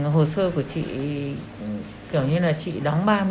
hồ sơ của chị là hai triệu rưỡi để làm hồ sơ sau đó thì nó gửi cho cô bốn cái hộp thuốc canxi